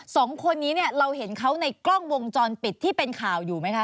สองคนนี้เนี่ยเราเห็นเขาในกล้องวงจรปิดที่เป็นข่าวอยู่ไหมคะ